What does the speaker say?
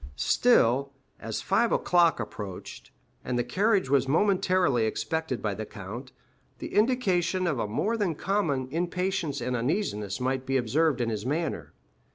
Still, as five o'clock approached, and the carriage was momentarily expected by the count, the indication of more than common impatience and uneasiness might be observed in his manner.